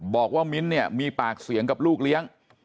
มิ้นท์เนี่ยมีปากเสียงกับลูกเลี้ยง